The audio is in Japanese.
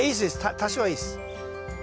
多少はいいです。